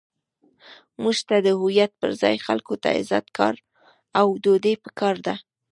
موږ ته د هویت پر ځای خلکو ته عزت، کار، او ډوډۍ پکار ده.